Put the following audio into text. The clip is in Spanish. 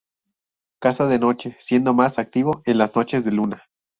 Caza de noche, siendo más activo en las noches de luna.